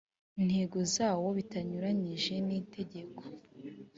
ntego zawo bitanyuranije n itegeko